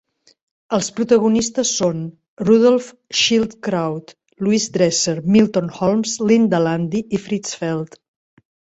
Els protagonistes són Rudolph Schildkraut, Louise Dresser, Milton Holmes, Linda Landi i Fritz Feld.